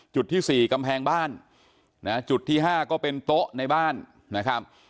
จุดที่๔กำแพงบ้านนะจุดที่๕ก็เป็นโต๊ะในบ้านนะครับ